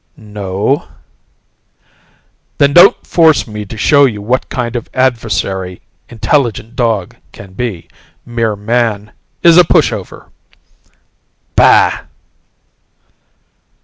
"No " "Then don't force me to show you what kind of adversary intelligent dog can be. Mere man is a pushover!" "Bah!"